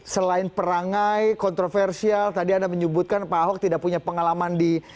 selain perangai kontroversial tadi anda menyebutkan pak ahok tidak punya pengalaman di